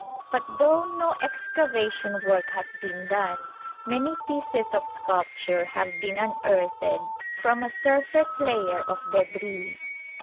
But though no excavation work has been done, many pieces of sculpture have been unearthed from a surface layer of débris.